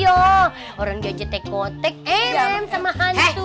orang gajet tekotek emem sama hantu